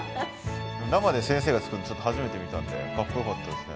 生で先生が作るのちょっと初めて見たんでかっこよかったですね。